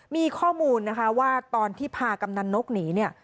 มีข้อมูลนะคะว่าตอนที่พากำนันนกหนีเนี่ย